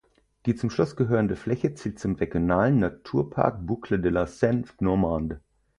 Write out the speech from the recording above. Die zum Schloss gehörende Fläche zählt zum Regionalen Naturpark Boucles de la Seine Normande.